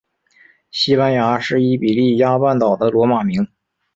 西班牙是伊比利亚半岛的罗马名。